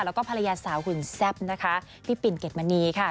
แล้วก็ภรรยาสาวหุ่นแซ่บนะคะพี่ปิ่นเกดมณีค่ะ